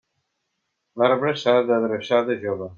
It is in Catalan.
L'arbre s'ha d'adreçar de jove.